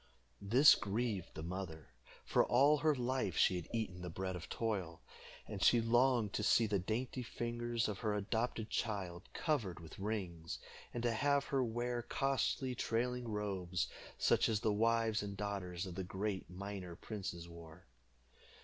This grieved the mother, for all her life she had eaten the bread of toil, and she longed to see the dainty fingers of her adopted child covered with rings, and to have her wear costly trailing robes, such as the wives and daughters of the great miner princes wore.